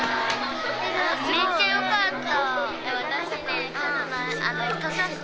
めっちゃよかった。